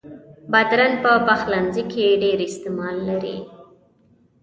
بادرنګ په پخلنځي کې ډېر استعمال لري.